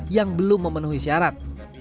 yang belum memenuhi syarat